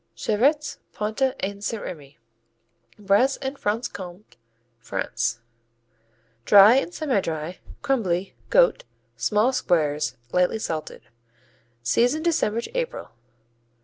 Chevrets, Ponta & St. Rémy Bresse & Franche Comté, France Dry and semi dry; crumbly; goat; small squares; lightly salted. Season December to April.